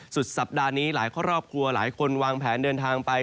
สุดสัปดาห์นี้หลายครอบครัวหลายคนวางแผนเดินทางไป